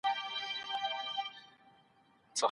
قرآن کریم ولي نازل سوی دی؟